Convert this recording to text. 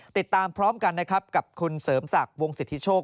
ติดตามพร้อมกันนะครับกับคุณเสริมศักดิ์วงสิทธิโชค